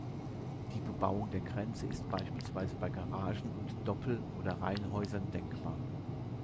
Die Bebauung der Grenze ist beispielsweise bei Garagen und Doppel- oder Reihenhäusern denkbar.